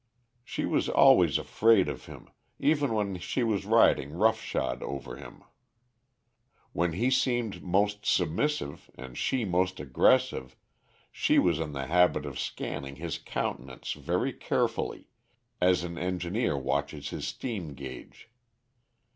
She was always afraid of him, even when she was riding rough shod over him. When he seemed most submissive and she most aggressive, she was in the habit of scanning his countenance very carefully, as an engineer watches his steam gauge.